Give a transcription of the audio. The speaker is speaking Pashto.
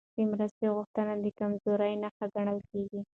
د مرستې غوښتنه د کمزورۍ نښه ګڼل کېږي.